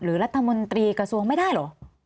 รัฐมนตรีกระทรวงไม่ได้เหรอ